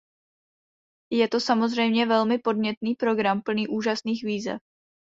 Je to samozřejmě velmi podnětný program plný úžasných výzev.